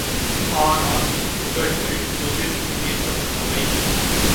ஆனால், துகள்கள் எதிர்மின்னேற்றமுள்ளவை.